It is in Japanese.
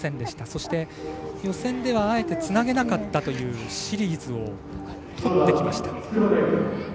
そして、予選ではあえてつなげなかったというシリーズをとってきました。